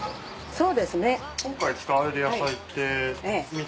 そうですね。